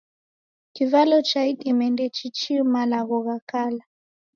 Kivalo cha idime ndechiichi malagho gha kala